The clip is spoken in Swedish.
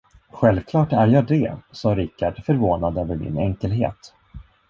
"Självklart är jag det", sa Richard, förvånad över min enkelhet.